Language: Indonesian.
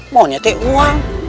maunya teh uang